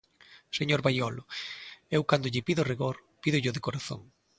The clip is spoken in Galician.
Señor Baiolo, eu, cando lle pido rigor, pídollo de corazón.